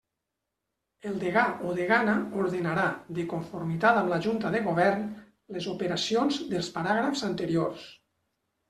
El degà o degana ordenarà, de conformitat amb la Junta de Govern, les operacions dels paràgrafs anteriors.